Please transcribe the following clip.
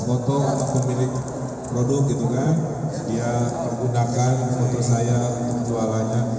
foto atau pemilik produk gitu kan dia pergunakan foto saya untuk jualannya